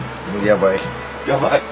やばい？